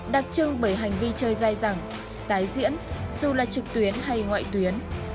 đặc trưng bởi hành vi chơi dài dẳng tái diễn dù là trực tuyến hay ngoại tuyến